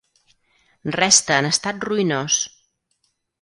Resta en estat ruïnós.